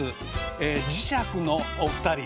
磁石のお二人。